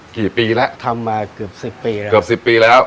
กี่ปีแล้วทำมาเกือบสิบปีแล้วเกือบสิบปีแล้ว